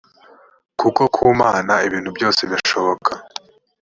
kuko ku mana ibintu byose birashoboka